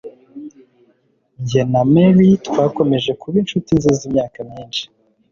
Jye na Mary twakomeje kuba inshuti nziza imyaka myinshi